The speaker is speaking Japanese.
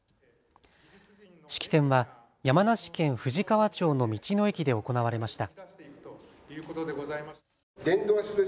式典は山梨県富士川町の道の駅で行われました。